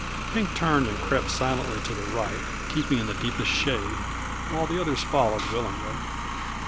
Pink turned and crept silently to the right, keeping in the deepest shade, while the others followed willingly.